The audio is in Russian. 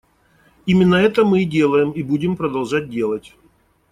Именно это мы и делаем и будем продолжать делать.